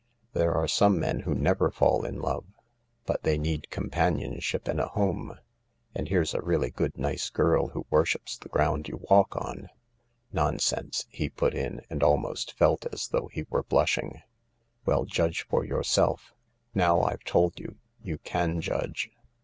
"There are some men who never fall in love. But they need companionship and a home. And here's a really good nice girl who worships the ground you walk on." " Nonsense !" he put in, and almost felt as though he were blushing. " Well, judge for yourself. Now I've told you, you can judge.